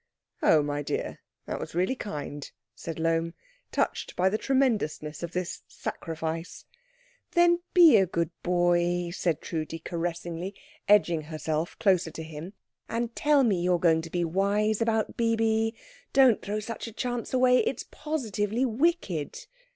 "Oh, my dear, that was really kind," said Lohm, touched by the tremendousness of this sacrifice. "Then be a good boy," said Trudi caressingly, edging herself closer to him, "and tell me you are going to be wise about Bibi. Don't throw such a chance away it's positively wicked."